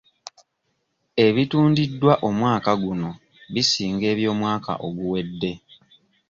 Ebitundiddwa omwaka guno bisinga eby'omwaka oguwedde.